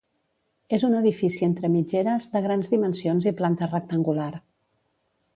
És un edifici entre mitgeres, de grans dimensions i planta rectangular.